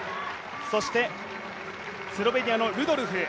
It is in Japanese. そして、スロベニアのルドルフ。